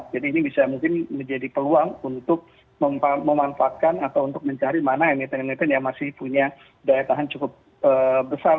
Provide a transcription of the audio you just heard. jadi ini bisa mungkin menjadi peluang untuk memanfaatkan atau untuk mencari mana emiten emiten yang masih punya daya tahan cukup besar